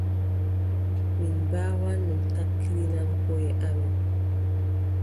Min mbaawan min hakkila koʼe amin.